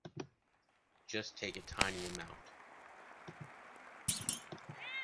Just take a tiny amount.